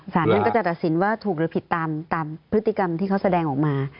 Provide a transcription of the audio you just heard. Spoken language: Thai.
สารท่านก็จะตัดสินว่าถูกหรือผิดตามพฤติกรรมที่เขาแสดงออกมา